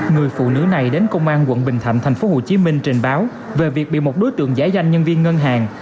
người phụ nữ này đến công an quận bình thạnh tp hcm trình báo về việc bị một đối tượng giải danh nhân viên ngân hàng